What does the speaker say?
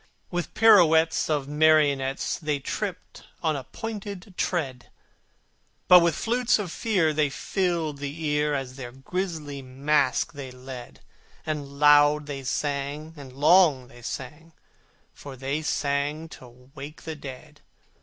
With the pirouettes of marionettes, They tripped on pointed tread: But with flutes of Fear they filled the ear, As their grisly masque they led, And loud they sang, and long they sang, For they sang to wake the dead.